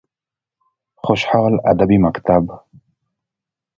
خوشحال ادبي مکتب: